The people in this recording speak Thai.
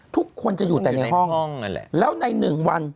ทุกคนจะอยู่แต่ในห้องแล้วในหนึ่งวัน